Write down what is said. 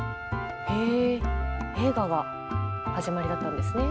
へえ映画が始まりだったんですね。